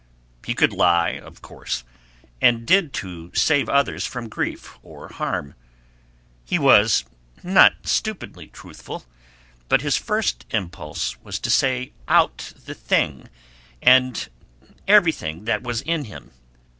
He could lie, of course, and did to save others from grief or harm; he was not stupidly truthful; but his first impulse was to say out the thing and everything that was in him.